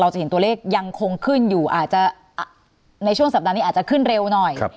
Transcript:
จะเห็นตัวเลขยังคงขึ้นอยู่อาจจะในช่วงสัปดาห์นี้อาจจะขึ้นเร็วหน่อย